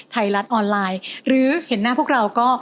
ไทยรัฐออนไลน์หรือเห็นหน้าพวกเราก็